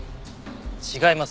違います。